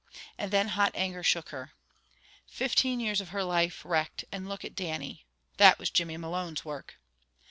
And then hot anger shook her. Fifteen years of her life wrecked, and look at Dannie! That was Jimmy Malone's work.